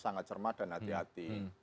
sangat cermat dan hati hati